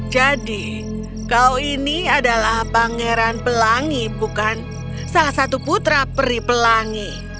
jadi kau ini adalah pangeran pelangi bukan salah satu putra peri pelangi